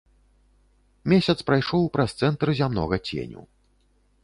Месяц прайшоў праз цэнтр зямнога ценю.